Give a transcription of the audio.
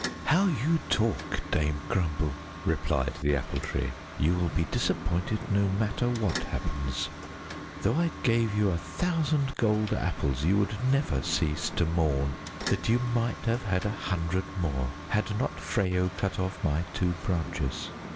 "How you talk, Dame Grumble!" replied the Apple Tree. "You will be disappointed no matter what happens! Though I gave you a thousand golden apples, you would never cease to mourn that you might have had a hundred more had not Freyo cut off my two branches.